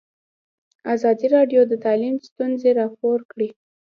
ازادي راډیو د تعلیم ستونزې راپور کړي.